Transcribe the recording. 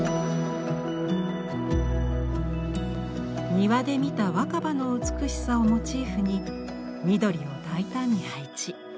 庭で見た若葉の美しさをモチーフに緑を大胆に配置。